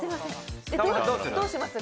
どうします？